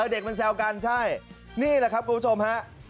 เด็กมันแซวกันใช่นี่แหละครับคุณผู้ชมฮะ